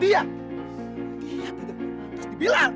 dia tidak diperluas dibilang